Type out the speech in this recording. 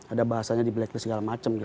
ada bahasanya di blacklist segala macam